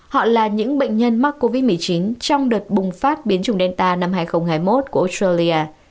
họ là những bệnh nhân mắc covid một mươi chín trong đợt bùng phát biến trùng delta năm hai nghìn hai mươi một của australia